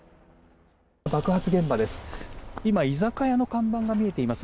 爆発現場です。